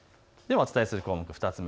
お伝えする項目